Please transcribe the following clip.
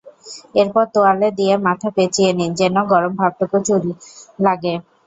এরপর তোয়ালে দিয়ে মাথা পেঁচিয়ে নিন যেন গরম ভাপটুকু চুলে লাগে।